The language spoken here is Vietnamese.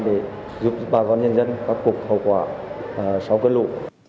để giúp ba con nhân dân phát phục hậu quả sáu cơn lũ